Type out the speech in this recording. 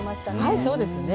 はいそうですね。